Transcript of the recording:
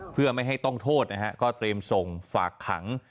เพื่อไม่ให้ต้องโทษนะฮะก็เตรียมส่งฝากขัง